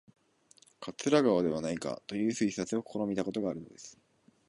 桂川ではないかという推察を試みたことがあるのです